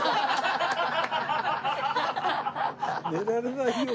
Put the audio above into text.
寝られないよ